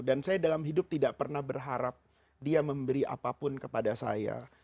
dan saya dalam hidup tidak pernah berharap dia memberi apapun kepada saya